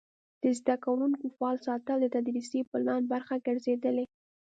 د زده کوونکو فعال ساتل د تدریسي پلان برخه ګرځېدلې.